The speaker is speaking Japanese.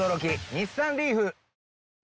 日産リーフ！